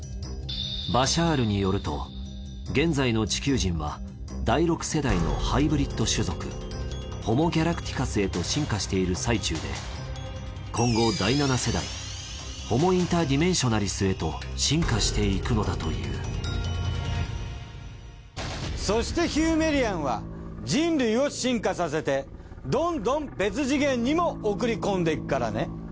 バシャールによると現在の地球人は第６世代のハイブリッド種族ホモ・ギャラクティカスへと進化している最中で今後第７世代ホモ・インターディメンショナリスへと進化していくのだというそしてヒューメイリアンは人類を進化させてどんどん別次元にも送り込んでいくからね。